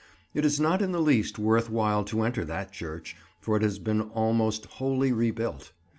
It is not in the least worth while to enter that church, for it has been almost wholly rebuilt.